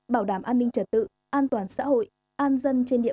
bảo đảm an ninh trật tự an toàn xã hội an dân trên địa bàn